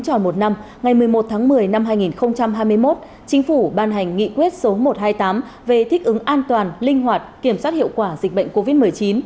tròn một năm ngày một mươi một tháng một mươi năm hai nghìn hai mươi một chính phủ ban hành nghị quyết số một trăm hai mươi tám về thích ứng an toàn linh hoạt kiểm soát hiệu quả dịch bệnh covid một mươi chín